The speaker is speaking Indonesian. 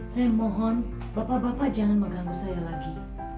saya mohon bapak bapak jangan mengganggu saya lagi